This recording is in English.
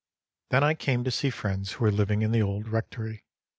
Then I came to see friends who were living in the old rectory.